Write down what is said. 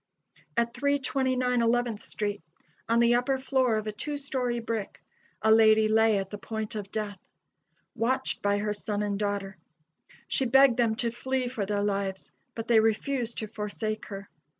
At 329 Eleventh street, on the upper floor of a two story brick, a lady lay at the point of death; watched by her son and daughter. She begged them to flee for their lives, but they refused to forsake her.